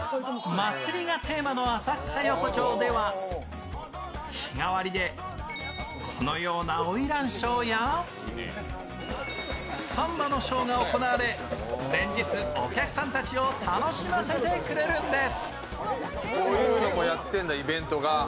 祭りがテーマの浅草横町では、日替わりでこのような花魁ショーやサンバのショーが行われ連日、お客さんたちを楽しませてくれるんです。